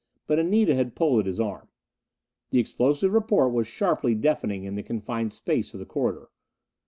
But Anita had pulled at his arm. The explosive report was sharply deafening in the confined space of the corridor.